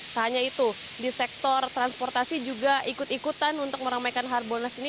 tak hanya itu di sektor transportasi juga ikut ikutan untuk meramaikan harbolnas ini